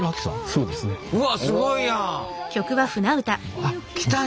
うわすごいやん！